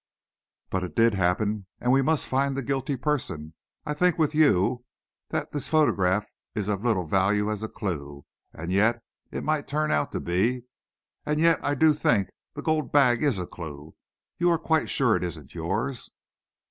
"But it did happen, and we must find the guilty person. I think with you, that this photograph is of little value as a clue, and yet it may turn out to be. And yet I do think the gold bag is a clue. You are quite sure it isn't yours?"